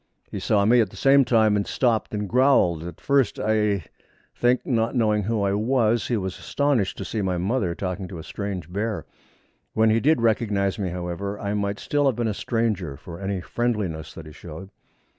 He saw me at the same time, and stopped and growled. At first, I think, not knowing who I was, he was astonished to see my mother talking to a strange bear. When he did recognise me, however, I might still have been a stranger, for any friendliness that he showed.